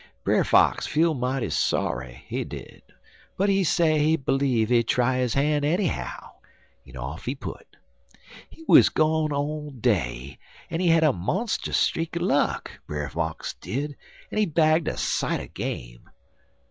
Brer Fox feel mighty sorry, he did, but he say he bleeve he try his han' enny how, en off he put. He wuz gone all day, en he had a monstus streak er luck, Brer Fox did, en he bagged a sight er game.